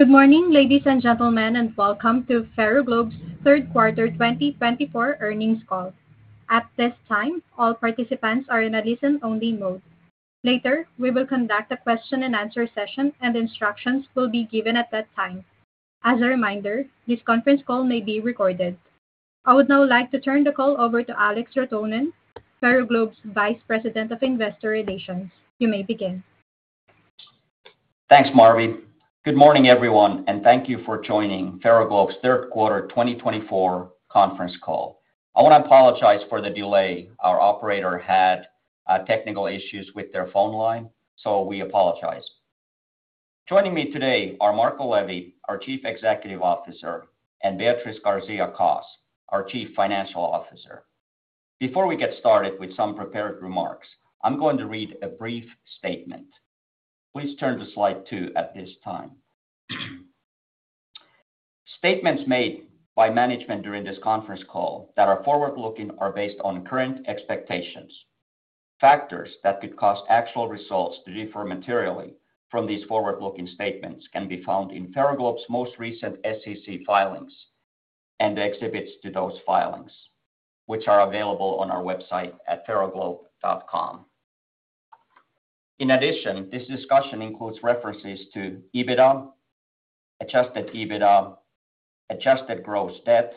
Good morning, ladies and gentlemen, and welcome to Ferroglobe's third quarter 2024 earnings call. At this time, all participants are in a listen-only mode. Later, we will conduct a question-and-answer session, and instructions will be given at that time. As a reminder, this conference call may be recorded. I would now like to turn the call over to Alex Rotonen, Ferroglobe's Vice President of Investor Relations. You may begin. Thanks, Marvi. Good morning, everyone, and thank you for joining Ferroglobe's third quarter 2024 conference call. I want to apologize for the delay. Our operator had technical issues with their phone line, so we apologize. Joining me today are Marco Levi, our Chief Executive Officer, and Beatriz García-Cos, our Chief Financial Officer. Before we get started with some prepared remarks, I'm going to read a brief statement. Please turn to slide 2 at this time. "Statements made by management during this conference call that are forward-looking are based on current expectations. Factors that could cause actual results to differ materially from these forward-looking statements can be found in Ferroglobe's most recent SEC filings and the exhibits to those filings, which are available on our website at ferroglobe.com. In addition, this discussion includes references to EBITDA, adjusted EBITDA, adjusted gross debt,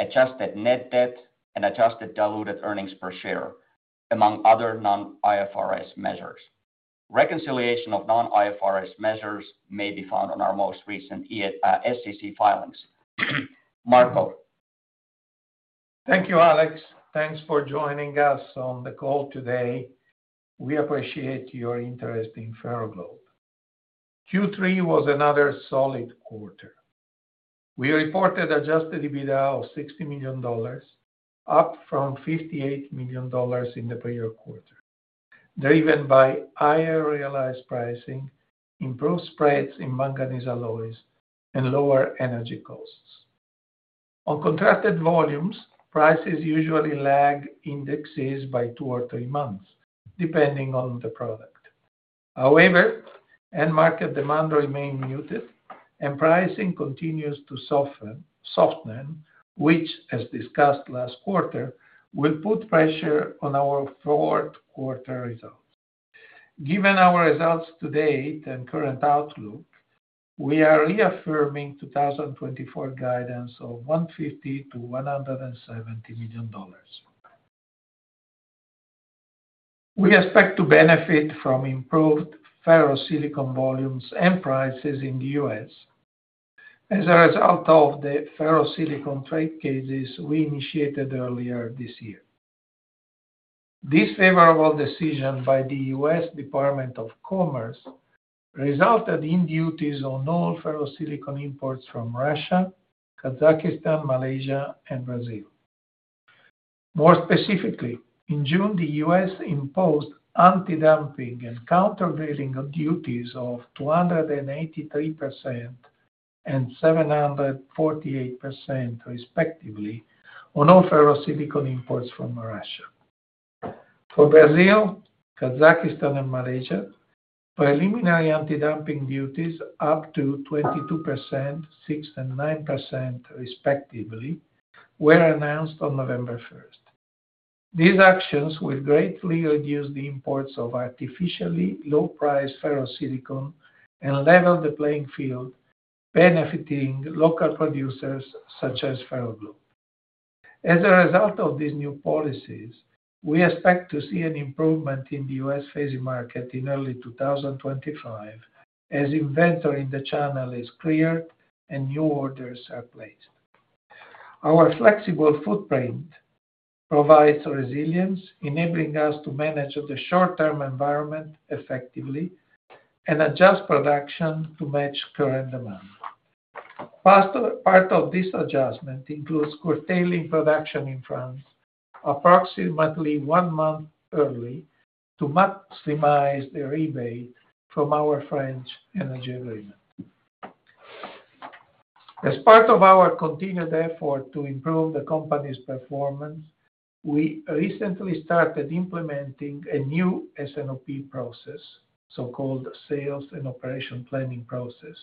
adjusted net debt, and adjusted diluted earnings per share, among other non-IFRS measures. Reconciliation of non-IFRS measures may be found on our most recent SEC filings. Marco. Thank you, Alex. Thanks for joining us on the call today. We appreciate your interest in Ferroglobe. Q3 was another solid quarter. We reported adjusted EBITDA of $60 million, up from $58 million in the prior quarter, driven by higher realized pricing, improved spreads in manganese alloys, and lower energy costs. On contracted volumes, prices usually lag indexes by two or three months, depending on the product. However, end market demand remained muted, and pricing continues to soften, which, as discussed last quarter, will put pressure on our fourth quarter results. Given our results to date and current outlook, we are reaffirming 2024 guidance of $150 million-$170 million. We expect to benefit from improved ferrosilicon volumes and prices in the U.S. as a result of the ferrosilicon trade cases we initiated earlier this year. This favorable decision by the U.S. Department of Commerce resulted in duties on all ferrosilicon imports from Russia, Kazakhstan, Malaysia, and Brazil. More specifically, in June, the U.S. imposed anti-dumping and countervailing duties of 283% and 748%, respectively, on all ferrosilicon imports from Russia. For Brazil, Kazakhstan, and Malaysia, preliminary anti-dumping duties up to 22%, 6%, and 9%, respectively, were announced on November 1st. These actions will greatly reduce the imports of artificially low-priced ferrosilicon and level the playing field, benefiting local producers such as Ferroglobe. As a result of these new policies, we expect to see an improvement in the U.S. FeSi market in early 2025, as inventory in the channel is cleared and new orders are placed. Our flexible footprint provides resilience, enabling us to manage the short-term environment effectively and adjust production to match current demand. Part of this adjustment includes curtailing production in France approximately one month early to maximize the rebate from our French energy agreement. As part of our continued effort to improve the company's performance, we recently started implementing a new S&OP process, so-called Sales and Operations Planning Process,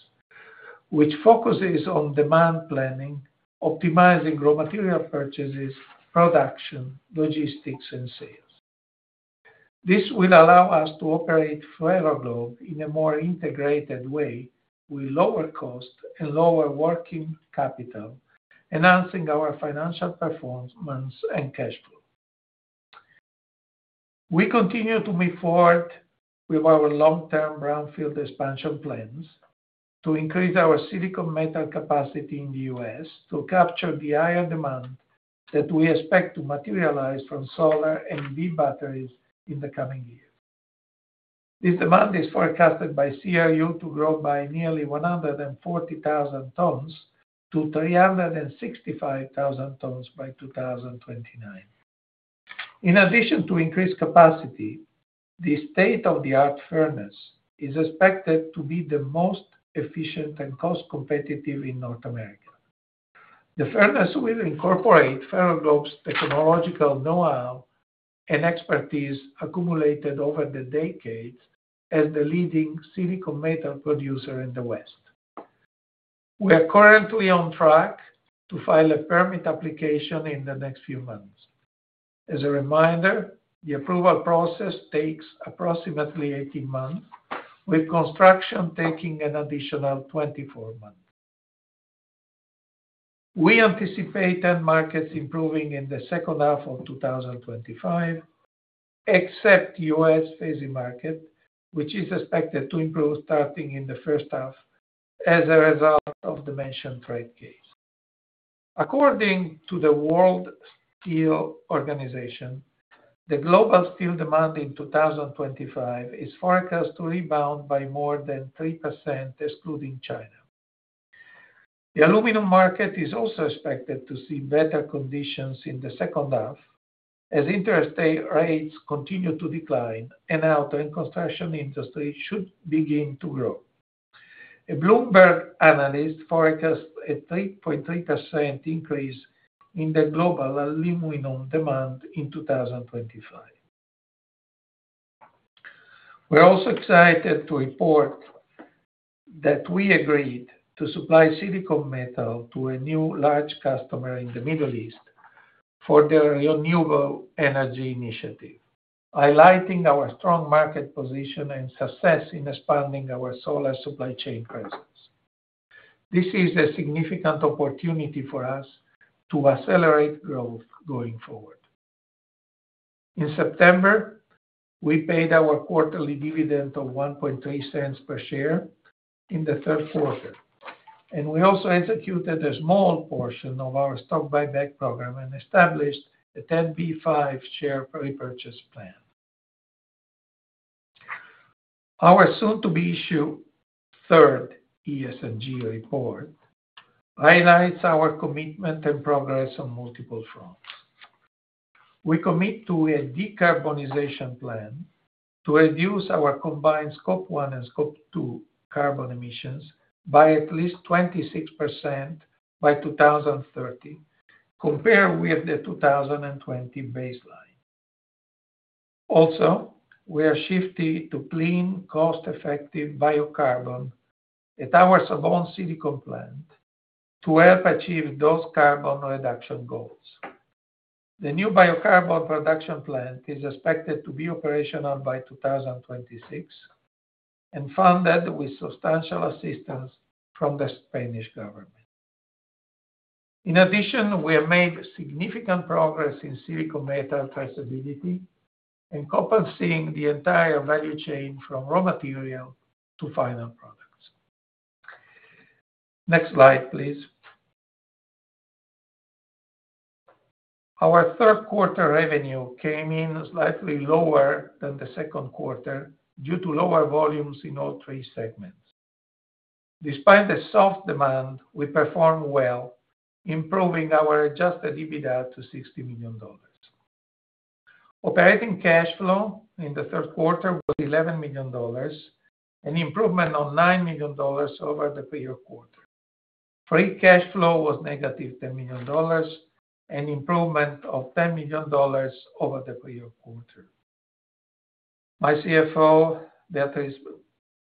which focuses on demand planning, optimizing raw material purchases, production, logistics, and sales. This will allow us to operate Ferroglobe in a more integrated way with lower costs and lower working capital, enhancing our financial performance and cash flow. We continue to move forward with our long-term brownfield expansion plans to increase our silicon metal capacity in the U.S. to capture the higher demand that we expect to materialize from solar and EV batteries in the coming years. This demand is forecasted by CRU to grow by nearly 140,000 tons-365,000 tons by 2029. In addition to increased capacity, the state-of-the-art furnace is expected to be the most efficient and cost-competitive in North America. The furnace will incorporate Ferroglobe's technological know-how and expertise accumulated over the decades as the leading silicon metal producer in the West. We are currently on track to file a permit application in the next few months. As a reminder, the approval process takes approximately 18 months, with construction taking an additional 24 months. We anticipate end markets improving in the second half of 2025, except the U.S. ferrosilicon market, which is expected to improve starting in the first half as a result of the mentioned trade case. According to the World Steel Association, the global steel demand in 2025 is forecast to rebound by more than 3%, excluding China. The aluminum market is also expected to see better conditions in the second half as interest rates continue to decline and auto and construction industry should begin to grow. A Bloomberg analyst forecasts a 3.3% increase in the global aluminum demand in 2025. We're also excited to report that we agreed to supply silicon metal to a new large customer in the Middle East for their renewable energy initiative, highlighting our strong market position and success in expanding our solar supply chain presence. This is a significant opportunity for us to accelerate growth going forward. In September, we paid our quarterly dividend of $0.013 per share in the third quarter, and we also executed a small portion of our stock buyback program and established a 10b5 share repurchase plan. Our soon-to-be-issued third ESG report highlights our commitment and progress on multiple fronts. We commit to a decarbonization plan to reduce our combined Scope 1 and Scope 2 carbon emissions by at least 26% by 2030, compared with the 2020 baseline. Also, we are shifting to clean, cost-effective biocarbon at our Sabón silicon plant to help achieve those carbon reduction goals. The new biocarbon production plant is expected to be operational by 2026 and funded with substantial assistance from the Spanish government. In addition, we have made significant progress in silicon metal traceability and compensating the entire value chain from raw material to final products. Next slide, please. Our third quarter revenue came in slightly lower than the second quarter due to lower volumes in all three segments. Despite the soft demand, we performed well, improving our adjusted EBITDA to $60 million. Operating cash flow in the third quarter was $11 million, an improvement of $9 million over the prior quarter. Free cash flow was -$10 million and an improvement of $10 million over the prior quarter. My CFO, Beatriz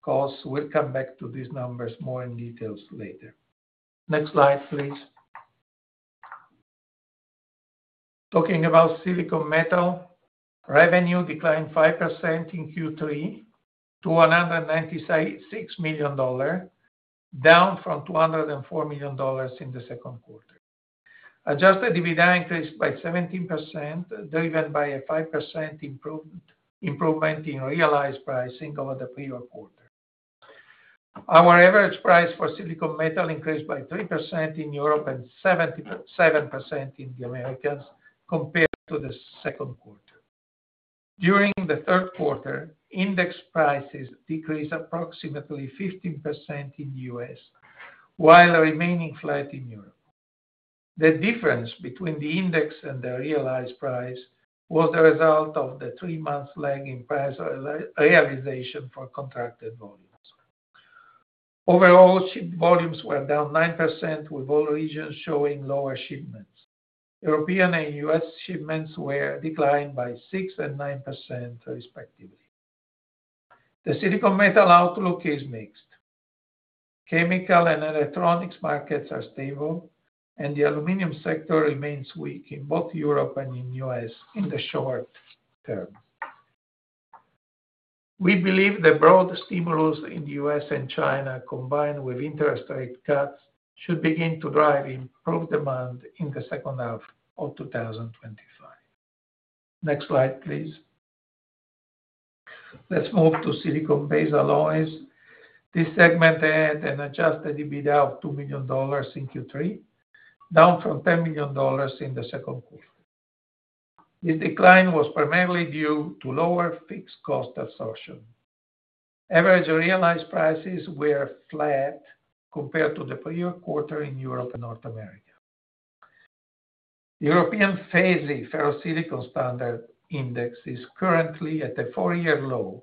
Cos, will come back to these numbers more in detail later. Next slide, please. Talking about silicon metal, revenue declined 5% in Q3 to $196 million, down from $204 million in the second quarter. Adjusted EBITDA increased by 17%, driven by a 5% improvement in realized pricing over the prior quarter. Our average price for silicon metal increased by 3% in Europe and 7% in the Americas compared to the second quarter. During the third quarter, index prices decreased approximately 15% in the U.S. while remaining flat in Europe. The difference between the index and the realized price was the result of the three-month lag in price realization for contracted volumes. Overall, shipment volumes were down 9%, with all regions showing lower shipments. European and U.S. shipments declined by 6% and 9%, respectively. The silicon metal outlook is mixed. Chemical and electronics markets are stable, and the aluminum sector remains weak in both Europe and in the U.S. in the short term. We believe the broad stimulus in the U.S. and China, combined with interest rate cuts, should begin to drive improved demand in the second half of 2025. Next slide, please. Let's move to silicon-based alloys. This segment had an adjusted EBITDA of $2 million in Q3, down from $10 million in the second quarter. This decline was primarily due to lower fixed cost absorption. Average realized prices were flat compared to the prior quarter in Europe and North America. The European ferrosilicon standard index is currently at a four-year low,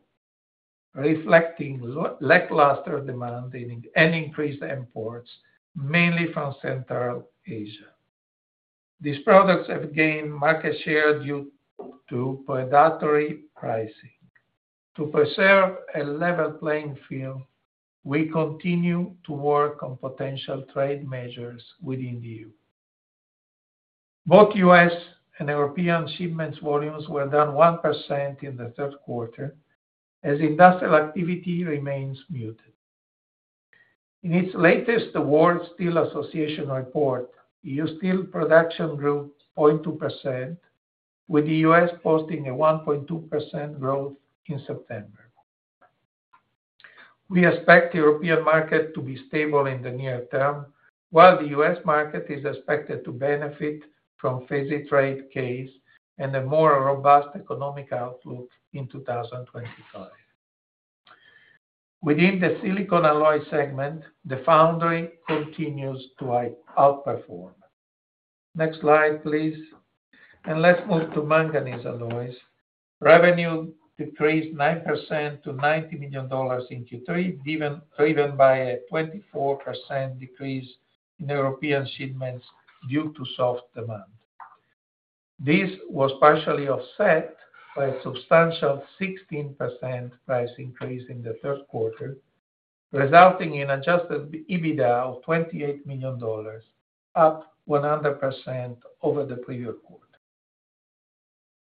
reflecting lackluster demand and increased imports, mainly from Central Asia. These products have gained market share due to predatory pricing. To preserve a level playing field, we continue to work on potential trade measures within the EU. Both U.S. and European shipments volumes were down 1% in the third quarter as industrial activity remains muted. In its latest World Steel Association report, U.S. steel production grew 0.2%, with the U.S. posting a 1.2% growth in September. We expect the European market to be stable in the near term, while the U.S. market is expected to benefit from FeSi trade case and a more robust economic outlook in 2025. Within the silicon alloy segment, the foundry continues to outperform. Next slide, please. Let's move to manganese alloys. Revenue decreased 9% to $90 million in Q3, driven by a 24% decrease in European shipments due to soft demand. This was partially offset by a substantial 16% price increase in the third quarter, resulting in an adjusted EBITDA of $28 million, up 100% over the previous quarter.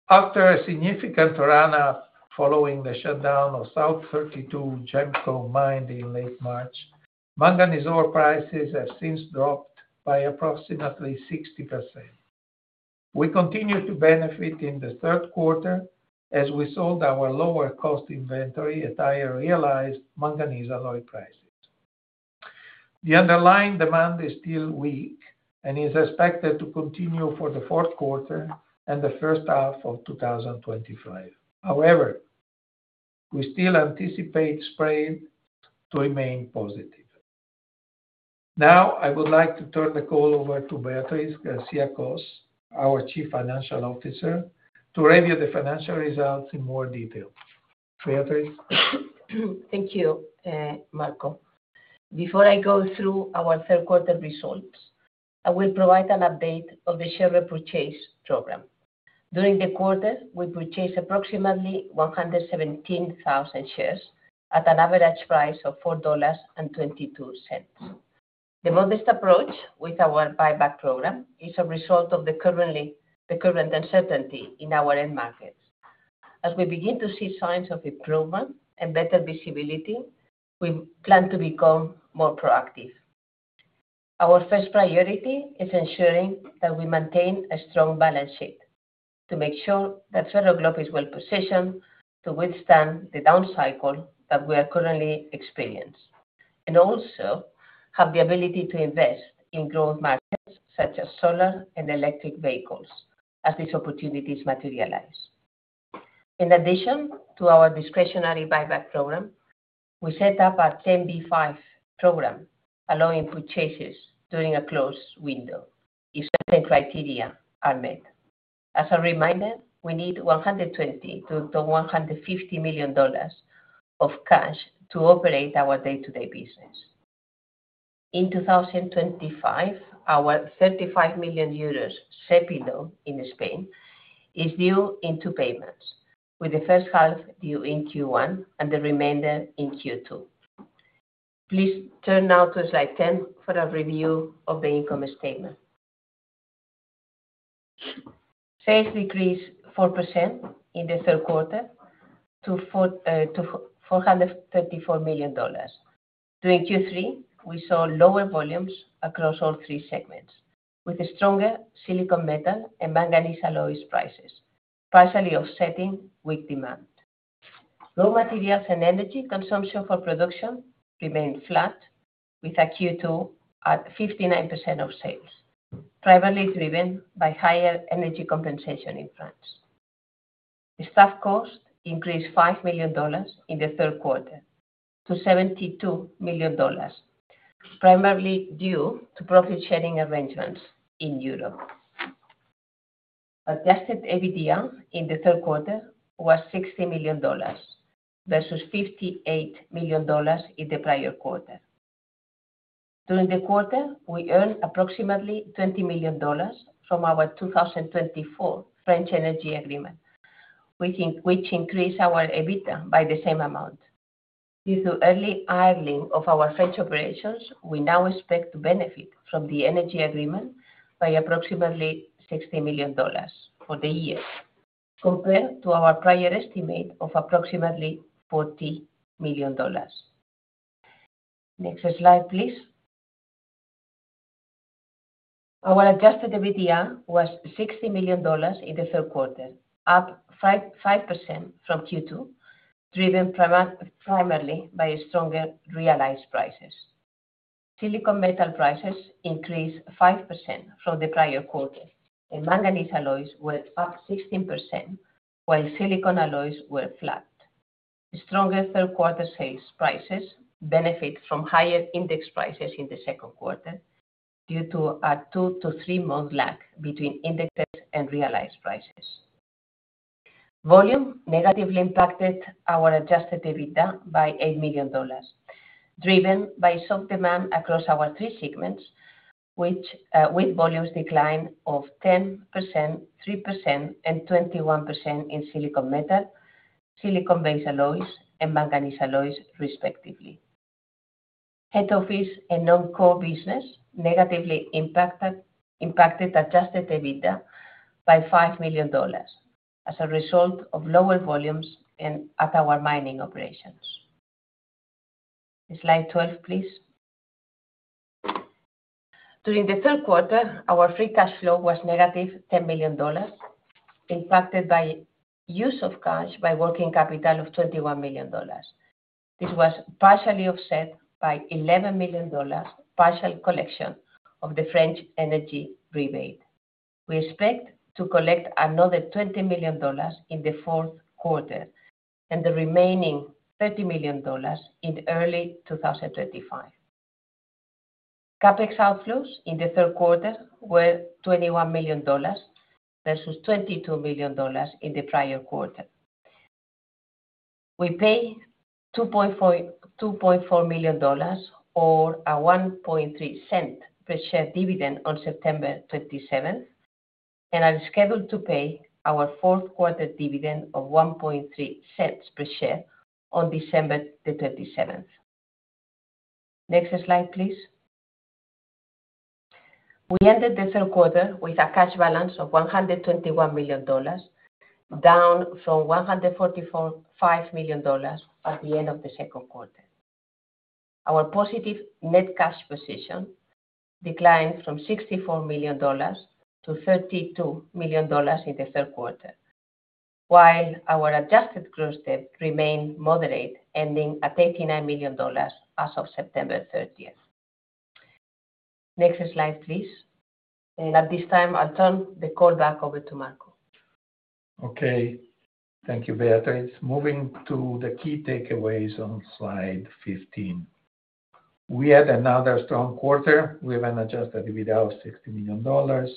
After a significant run-up following the shutdown of South32 GEMCO mine in late March, manganese ore prices have since dropped by approximately 60%. We continue to benefit in the third quarter as we sold our lower cost inventory at higher realized manganese alloy prices. The underlying demand is still weak and is expected to continue for the fourth quarter and the first half of 2025. However, we still anticipate spread to remain positive. Now, I would like to turn the call over to Beatriz García-Cos, our Chief Financial Officer, to review the financial results in more detail. Beatriz? Thank you, Marco. Before I go through our third quarter results, I will provide an update on the share repurchase program. During the quarter, we purchased approximately 117,000 shares at an average price of $4.22. The modest approach with our buyback program is a result of the current uncertainty in our end markets. As we begin to see signs of improvement and better visibility, we plan to become more proactive. Our first priority is ensuring that we maintain a strong balance sheet to make sure that Ferroglobe is well positioned to withstand the down cycle that we are currently experiencing, and also have the ability to invest in growth markets such as solar and electric vehicles as these opportunities materialize. In addition to our discretionary buyback program, we set up our 10b5 program, allowing purchases during a closed window if certain criteria are met. As a reminder, we need $120 million-$150 million of cash to operate our day-to-day business. In 2025, our 35 million euros SEPI loan in Spain is due in two payments, with the first half due in Q1 and the remainder in Q2. Please turn now to slide 10 for a review of the income statement. Sales decreased 4% in the third quarter to $434 million. During Q3, we saw lower volumes across all three segments, with stronger silicon metal and manganese alloys prices, partially offsetting weak demand. Raw materials and energy consumption for production remained flat, with Q2 at 59% of sales, primarily driven by higher energy compensation in France. Staff cost increased $5 million in the third quarter to $72 million, primarily due to profit-sharing arrangements in Europe. Adjusted EBITDA in the third quarter was $60 million versus $58 million in the prior quarter. During the quarter, we earned approximately $20 million from our 2024 French energy agreement, which increased our EBITDA by the same amount. Due to early hiring of our French operations, we now expect to benefit from the energy agreement by approximately $60 million for the year, compared to our prior estimate of approximately $40 million. Next slide, please. Our adjusted EBITDA was $60 million in the third quarter, up 5% from Q2, driven primarily by stronger realized prices. Silicon metal prices increased 5% from the prior quarter, and manganese alloys were up 16%, while silicon-based alloys were flat. Stronger third-quarter sales prices benefit from higher index prices in the second quarter due to a two to three-month lag between indexes and realized prices. Volume negatively impacted our adjusted EBITDA by $8 million, driven by soft demand across our three segments, with volumes declining by 10%, 3%, and 21% in silicon metal, silicon-based alloys, and manganese alloys, respectively. Head office and non-core business negatively impacted adjusted EBITDA by $5 million as a result of lower volumes at our mining operations. Slide 12, please. During the third quarter, our free cash flow was -$10 million, impacted by use of cash by working capital of $21 million. This was partially offset by $11 million partial collection of the French energy rebate. We expect to collect another $20 million in the fourth quarter and the remaining $30 million in early 2025. CapEx outflows in the third quarter were $21 million versus $22 million in the prior quarter. We paid $2.4 million or a 1.3 cent per share dividend on September 27th, and are scheduled to pay our fourth-quarter dividend of 1.3 cents per share on December the 27th. Next slide, please. We ended the third quarter with a cash balance of $121 million, down from $145 million at the end of the second quarter. Our positive net cash position declined from $64 million to $32 million in the third quarter, while our gross debt remained moderate, ending at $89 million as of September 30. Next slide, please. And at this time, I'll turn the call back over to Marco. Okay. Thank you, Beatriz. Moving to the key takeaways on slide 15. We had another strong quarter. We have an adjusted EBITDA of $60 million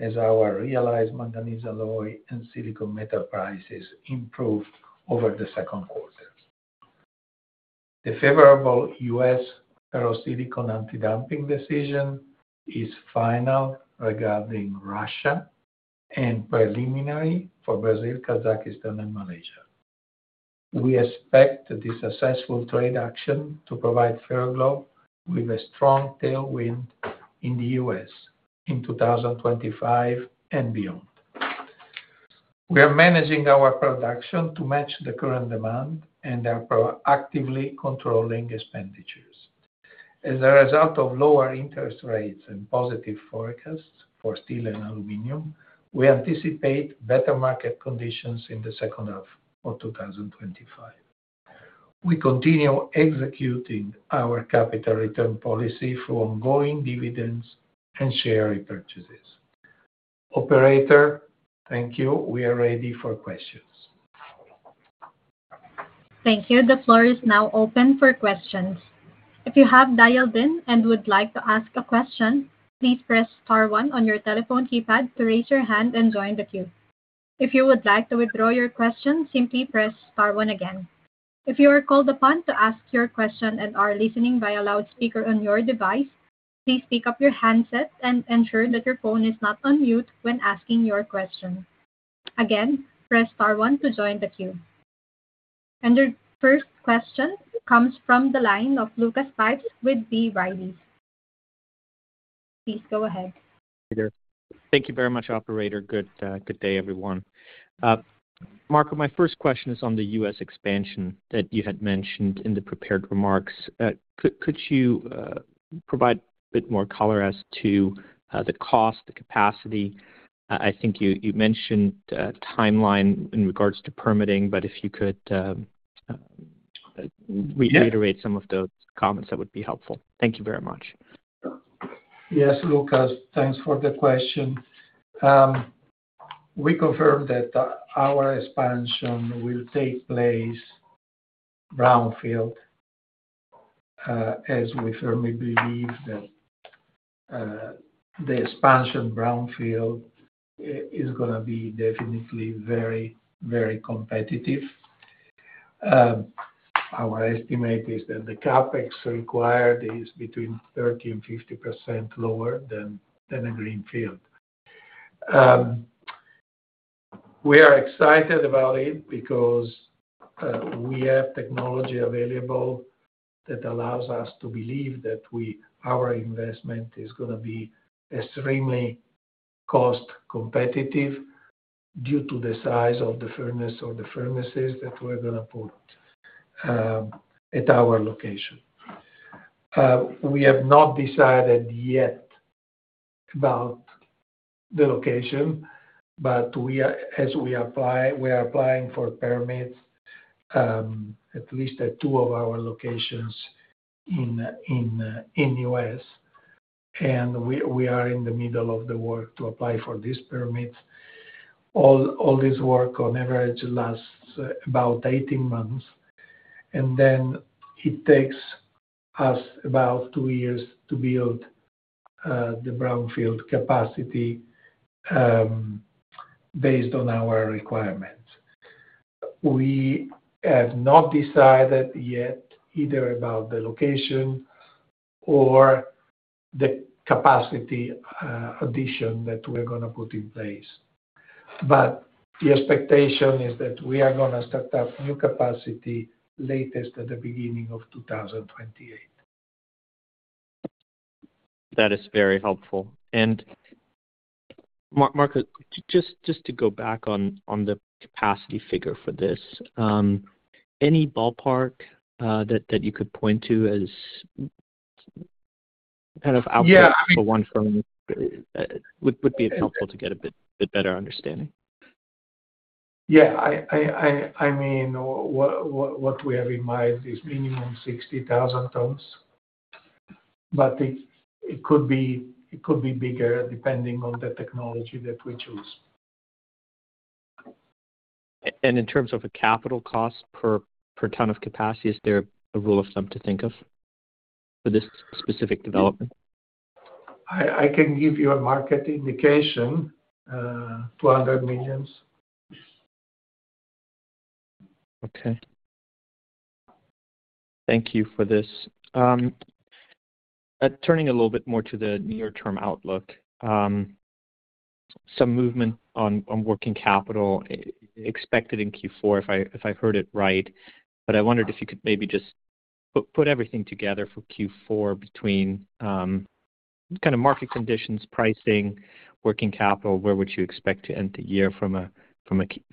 as our realized manganese alloy and silicon metal prices improved over the second quarter. The favorable U.S. ferrosilicon anti-dumping decision is final regarding Russia and preliminary for Brazil, Kazakhstan, and Malaysia. We expect this successful trade action to provide Ferroglobe with a strong tailwind in the U.S. in 2025 and beyond. We are managing our production to match the current demand and are proactively controlling expenditures. As a result of lower interest rates and positive forecasts for steel and aluminum, we anticipate better market conditions in the second half of 2025. We continue executing our capital return policy through ongoing dividends and share repurchases. Operator, thank you. We are ready for questions. Thank you. The floor is now open for questions. If you have dialed in and would like to ask a question, please press star one on your telephone keypad to raise your hand and join the queue. If you would like to withdraw your question, simply press star one again. If you are called upon to ask your question and are listening via loudspeaker on your device, please pick up your handset and ensure that your phone is not on mute when asking your question. Again, press star one to join the queue. Your first question comes from the line of Lucas Pipes with B. Riley Securities. Please go ahead. Thank you very much, Operator. Good day, everyone. Marco, my first question is on the U.S. expansion that you had mentioned in the prepared remarks. Could you provide a bit more color as to the cost, the capacity? I think you mentioned a timeline in regards to permitting, but if you could reiterate some of those comments, that would be helpful. Thank you very much. Yes, Lucas, thanks for the question. We confirmed that our expansion will take place brownfield, as we firmly believe that the expansion brownfield is going to be definitely very, very competitive. Our estimate is that the CapEx required is between 30%-50% lower than a greenfield. We are excited about it because we have technology available that allows us to believe that our investment is going to be extremely cost competitive due to the size of the furnace or the furnaces that we're going to put at our location. We have not decided yet about the location, but as we are applying for permits, at least at two of our locations in the U.S., and we are in the middle of the work to apply for these permits. All this work, on average, lasts about 18 months, and then it takes us about two years to build the brownfield capacity based on our requirements. We have not decided yet either about the location or the capacity addition that we're going to put in place, but the expectation is that we are going to start up new capacity latest at the beginning of 2028. That is very helpful, and Marco, just to go back on the capacity figure for this, any ballpark that you could point to as kind of output for one firm would be helpful to get a bit better understanding. Yeah. I mean, what we have in mind is minimum 60,000 tons, but it could be bigger depending on the technology that we choose. And in terms of a capital cost per ton of capacity, is there a rule of thumb to think of for this specific development? I can give you a market indication: $200 million. Okay. Thank you for this. Turning a little bit more to the near-term outlook, some movement on working capital expected in Q4, if I heard it right. But I wondered if you could maybe just put everything together for Q4 between kind of market conditions, pricing, working capital, where would you expect to end the year from a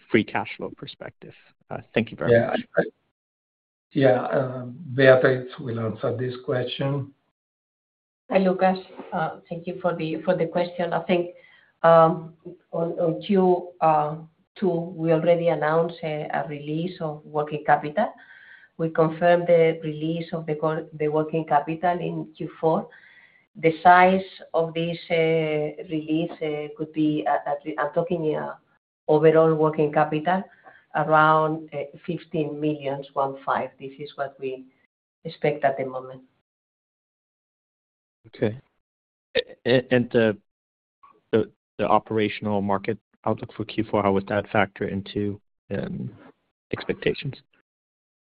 free cash flow perspective? Thank you very much. Yeah. Beatriz will answer this question. Hi, Lucas. Thank you for the question. I think on Q2, we already announced a release of working capital. We confirmed the release of the working capital in Q4. The size of this release could be, I'm talking overall working capital, around $15 million, $1.5. This is what we expect at the moment. Okay. And the operational market outlook for Q4, how would that factor into expectations?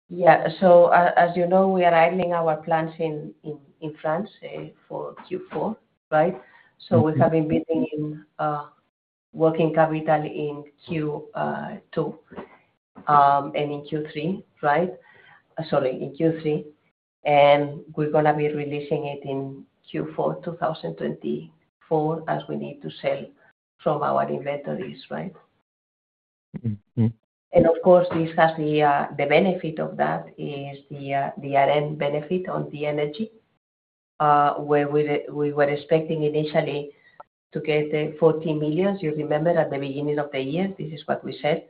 Yeah. So as you know, we are idling our plants in France for Q4, right? So we have been building working capital in Q2 and in Q3, right? Sorry, in Q3. We're going to be releasing it in Q4 2024 as we need to sell from our inventories, right? And of course, the benefit of that is the ARENH benefit on the energy, where we were expecting initially to get 14 million. You remember at the beginning of the year, this is what we said.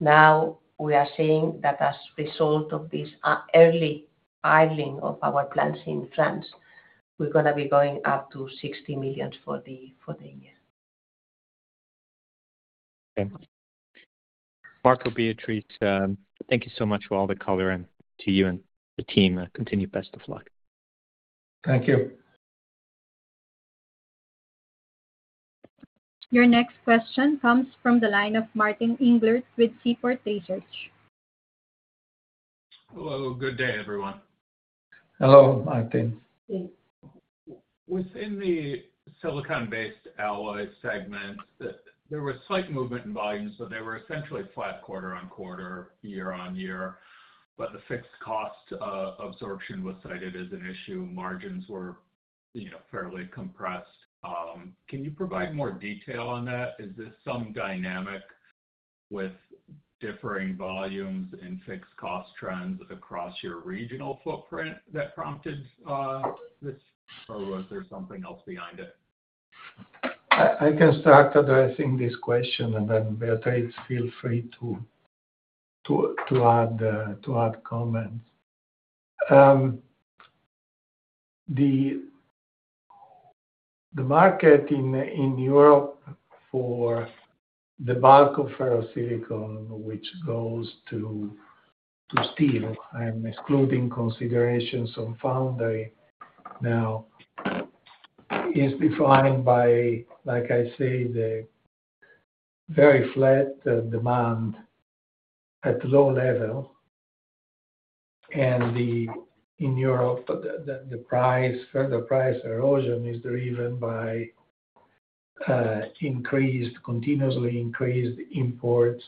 Now we are seeing that as a result of this early idling of our plants in France, we're going to be going up to 60 million for the year. Okay. Marco, Beatriz, thank you so much for all the color and to you and the team. Continued best of luck. Thank you. Your next question comes from the line of Martin Englert with Seaport Research. Hello. Good day, everyone. Hello, Martin. Within the silicon-based alloy segment, there was slight movement in volumes, so they were essentially flat quarter on quarter, year-on-year, but the fixed cost absorption was cited as an issue. Margins were fairly compressed. Can you provide more detail on that? Is there some dynamic with differing volumes and fixed cost trends across your regional footprint that prompted this, or was there something else behind it? I can start addressing this question, and then Beatriz, feel free to add comments. The market in Europe for the bulk of ferrosilicon, which goes to steel, I'm excluding considerations on foundry now, is defined by, like I say, the very flat demand at low level, and in Europe, the further price erosion is driven by increased, continuously increased imports,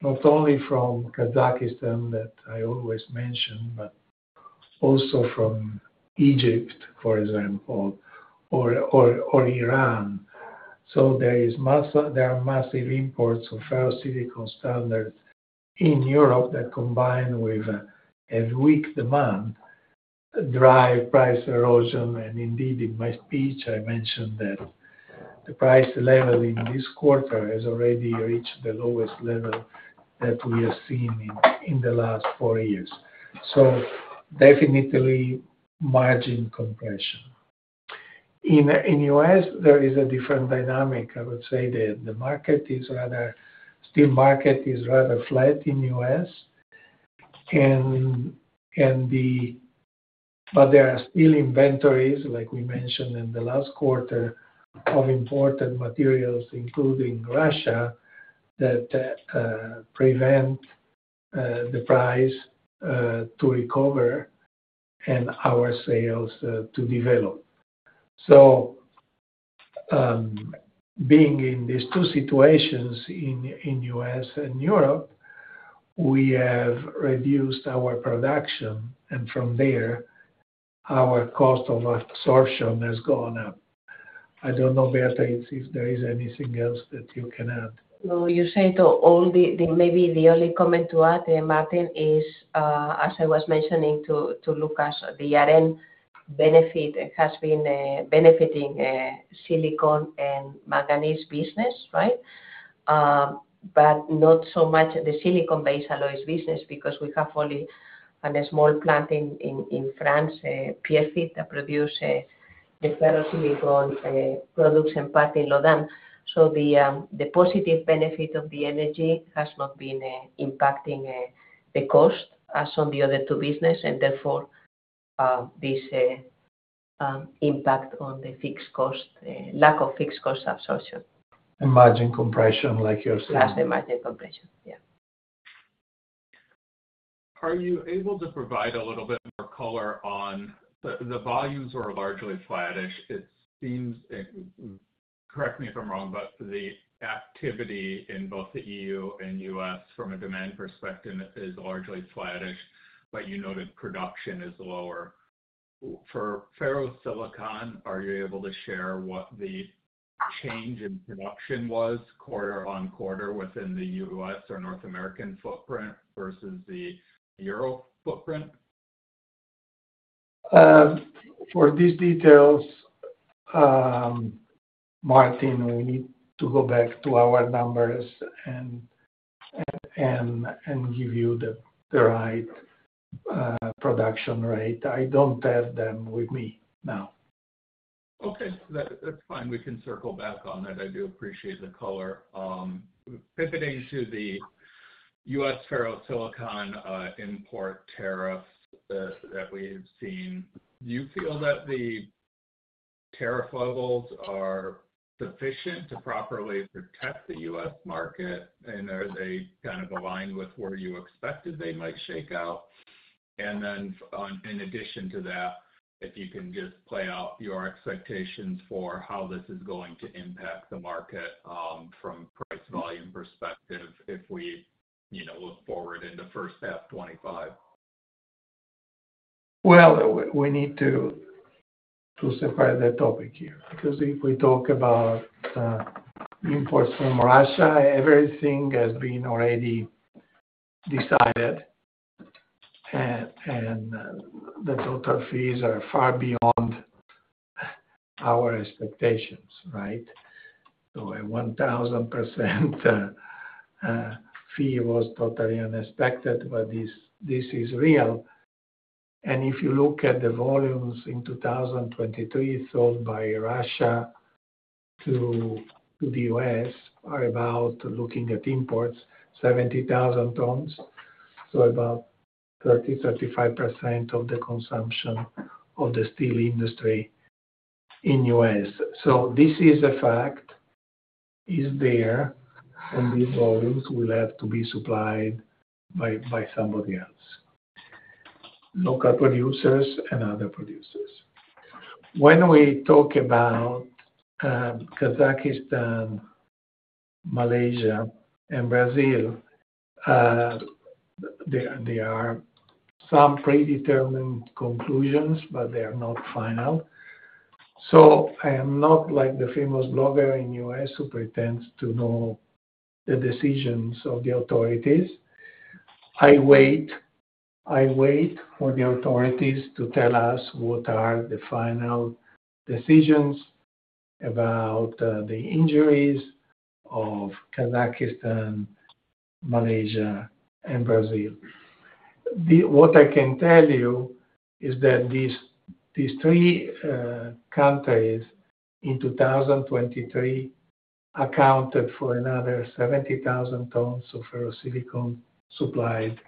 not only from Kazakhstan that I always mention, but also from Egypt, for example, or Iran. So there are massive imports of ferrosilicon standards in Europe that, combined with a weak demand, drive price erosion. And indeed, in my speech, I mentioned that the price level in this quarter has already reached the lowest level that we have seen in the last four years. So definitely margin compression. In the U.S., there is a different dynamic. I would say the market is rather, steel market is rather flat in the U.S. But there are steel inventories, like we mentioned in the last quarter, of imported materials, including Russia, that prevent the price to recover and our sales to develop. So being in these two situations in the U.S. and Europe, we have reduced our production, and from there, our cost of absorption has gone up. I don't know, Beatriz, if there is anything else that you can add. You said maybe the only comment to add, Martin, is, as I was mentioning to Lucas, the energy benefit has been benefiting silicon and manganese business, right? But not so much the silicon-based alloys business because we have only a small plant in France, Pierrefitte, that produces the ferrosilicon products in part in Laudun. So the positive benefit of the energy has not been impacting the cost as on the other two businesses, and therefore this impact on the fixed cost, lack of fixed cost absorption. Margin compression, like you're saying. That's the margin compression, yeah. Are you able to provide a little bit more color on the volumes? They're largely flat-ish. It seems, correct me if I'm wrong, but the activity in both the E.U. and U.S., from a demand perspective, is largely flat-ish, but you noted production is lower. For ferrosilicon, are you able to share what the change in production was quarter on quarter within the U.S. or North American footprint versus the Europe footprint? For these details, Martin, we need to go back to our numbers and give you the right production rate. I don't have them with me now. Okay. That's fine. We can circle back on that. I do appreciate the color. Pivoting to the U.S. ferrosilicon import tariffs that we've seen, do you feel that the tariff levels are sufficient to properly protect the U.S. market, and are they kind of aligned with where you expected they might shake out? And then, in addition to that, if you can just play out your expectations for how this is going to impact the market from a price volume perspective if we look forward into first half 2025. We need to clarify the topic here because if we talk about imports from Russia, everything has been already decided, and the total fees are far beyond our expectations, right? So a 1,000% fee was totally unexpected, but this is real. And if you look at the volumes in 2023 sold by Russia to the U.S., are about, looking at imports, 70,000 tons, so about 30%-35% of the consumption of the steel industry in the U.S. So this is a fact. It's there, and these volumes will have to be supplied by somebody else: local producers and other producers. When we talk about Kazakhstan, Malaysia, and Brazil, there are some predetermined conclusions, but they are not final. So I am not like the famous blogger in the U.S. who pretends to know the decisions of the authorities. I wait for the authorities to tell us what are the final decisions about the inquiries of Kazakhstan, Malaysia, and Brazil. What I can tell you is that these three countries in 2023 accounted for another 70,000 tons of ferrosilicon supplied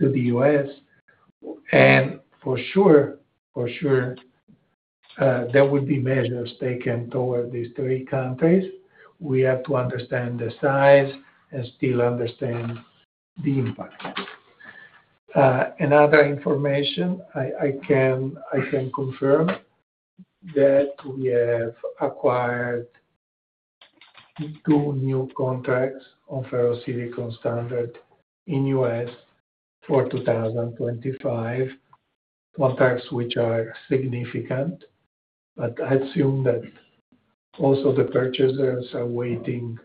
to the U.S. And for sure, there will be measures taken toward these three countries. We have to understand the size and still understand the impact. Another information I can confirm is that we have acquired two new contracts on ferrosilicon standard in the U.S. for 2025, contracts which are significant, but I assume that also the purchasers are waiting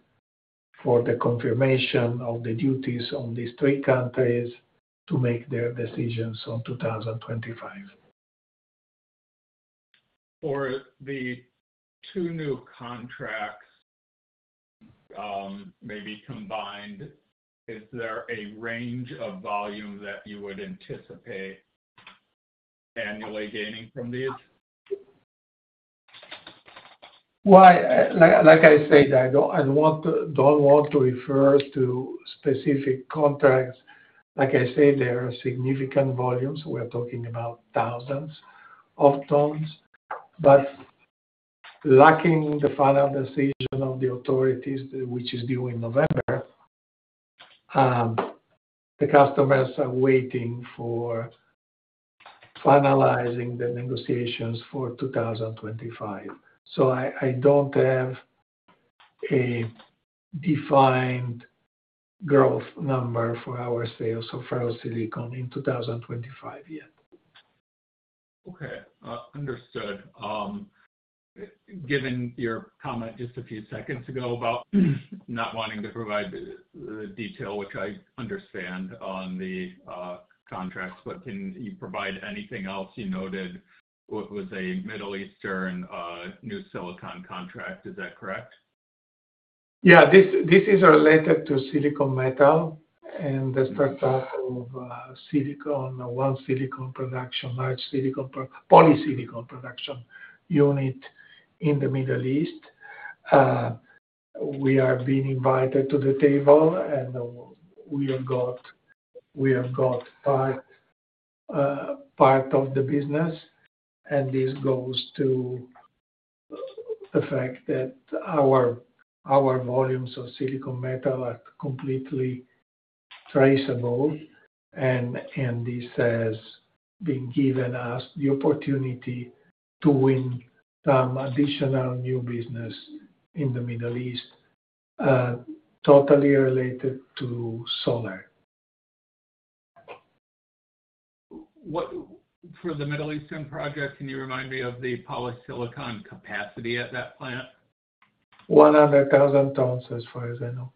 for the confirmation of the duties on these three countries to make their decisions on 2025. For the two new contracts, maybe combined, is there a range of volume that you would anticipate annually gaining from these? Well, like I said, I don't want to refer to specific contracts. Like I said, there are significant volumes. We are talking about thousands of tons. But lacking the final decision of the authorities, which is due in November, the customers are waiting for finalizing the negotiations for 2025. So I don't have a defined growth number for our sales of ferrosilicon in 2025 yet. Okay. Understood. Given your comment just a few seconds ago about not wanting to provide the detail, which I understand on the contracts, but can you provide anything else? You noted it was a Middle Eastern new silicon contract. Is that correct? Yeah. This is related to silicon metal and the startup of one silicon production, large silicon polysilicon production unit in the Middle East. We are being invited to the table, and we have got part of the business, and this goes to the fact that our volumes of silicon metal are completely traceable. And this has been given us the opportunity to win some additional new business in the Middle East, totally related to solar. For the Middle Eastern project, can you remind me of the polysilicon capacity at that plant? 100,000 tons, as far as I know,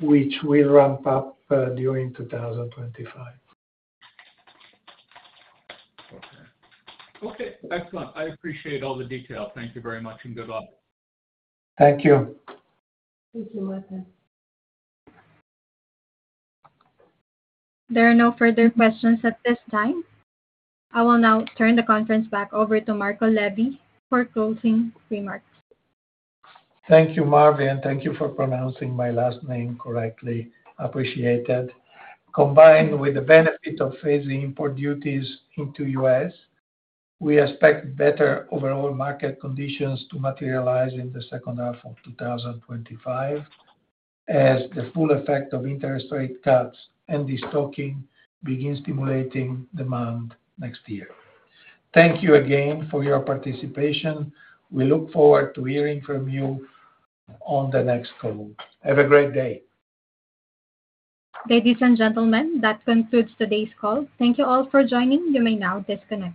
which will ramp up during 2025. Okay. Okay. Excellent. I appreciate all the detail. Thank you very much and good luck. Thank you. Thank you, Martin. There are no further questions at this time. I will now turn the conference back over to Marco Levi for closing remarks. Thank you, Marvi, and thank you for pronouncing my last name correctly. Appreciated. Combined with the benefit of phasing import duties into the U.S., we expect better overall market conditions to materialize in the second half of 2025 as the full effect of interest rate cuts and destocking begins stimulating demand next year. Thank you again for your participation. We look forward to hearing from you on the next call. Have a great day. Ladies and gentlemen, that concludes today's call. Thank you all for joining. You may now disconnect.